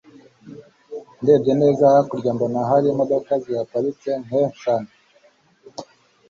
ndebye neza hakurya mbona hari imdoka zihaparitse nkeshantu